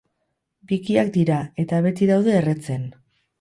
Bikiak dira, eta beti daude erretzen.